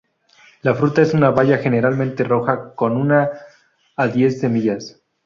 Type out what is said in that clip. La fruta es una baya, generalmente roja con una a diez semillas.